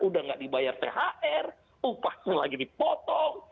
sudah tidak dibayar thr upahnya lagi dipotong